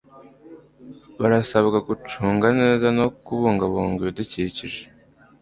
baarasabwa gucunga neza no kubungabunga ibidukikije